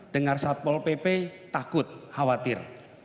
dengar satpol pp takut khawatir